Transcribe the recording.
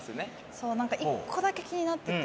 そう何か１個だけ気になってて。